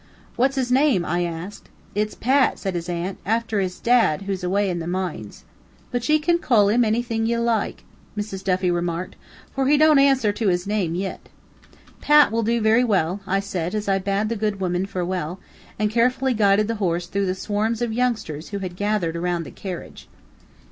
"What's his name?" I asked. "It's Pat," said his aunt, "afther his dad, who's away in the moines." "But ye kin call him onything ye bike," Mrs. Duffy remarked, "fer he don't ansther to his name yit." "Pat will do very well," I said, as I bade the good women farewell, and carefully guided the horse through the swarms of youngsters who had gathered around the carriage.